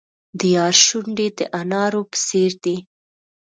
د یار شونډې د انارو په څیر دي.